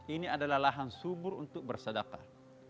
ini adalah lahan subur untuk bersadakah